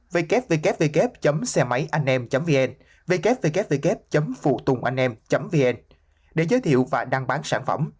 www xemayanhem vn www vutunanhem vn để giới thiệu và đăng bán sản phẩm